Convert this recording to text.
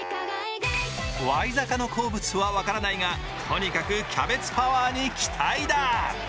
ワイザカの好物は分からないがとにかくキャベツパワーに期待だ。